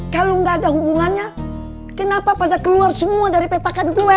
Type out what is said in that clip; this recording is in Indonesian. kalau nggak ada hubungannya kenapa pada keluar semua dari petakan gue